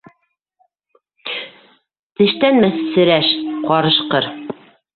Тештәнмә, серәш, ҡарышҡыр.